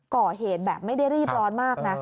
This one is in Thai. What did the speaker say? ก่อเหตุแบบไม่ได้รีบร้อนมากนะ